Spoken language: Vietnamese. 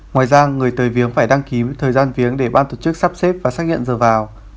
ngoài ra người tới viếng phải đăng ký thời gian viếng để ban tổ chức sắp xếp và xác nhận giờ vào